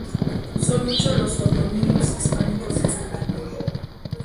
Son muchos los topónimos hispánicos de este tipo.